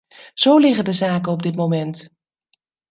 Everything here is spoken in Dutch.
Zo liggen de zaken op dit moment!